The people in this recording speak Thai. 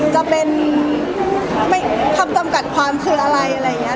จะเป็นคำจำกัดความคืออะไรอะไรอย่างนี้